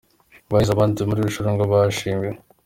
Abahize abandi muri iri rushanwa bashimiwe.